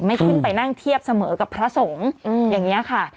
ไม่ขึ้นไปนั่งเทียบเสมอกับพระสงฆ์อย่างนี้ค่ะ